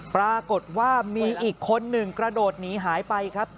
ปรากฏว่ามีอีกคนหนึ่งกระโดดหนีหายไปครับ